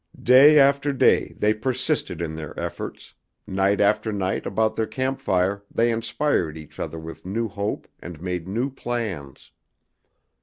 Day after day they persisted in their efforts; night after night about their camp fire they inspired each other with new hope and made new plans.